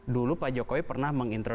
dulu pak jokowi pernah menginterv